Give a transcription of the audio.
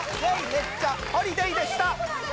めっちゃホリディ」でした